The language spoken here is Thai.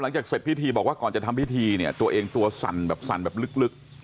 เสร็จพิธีบอกว่าก่อนจะทำพิธีเนี่ยตัวเองตัวสั่นแบบสั่นแบบลึก